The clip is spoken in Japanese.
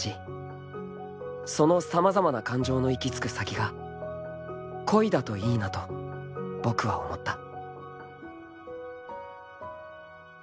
［その様々な感情の行き着く先が恋だといいなと僕は思った］